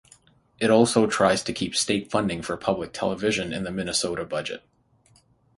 It also tries to keep state funding for public television in the Minnesota budget.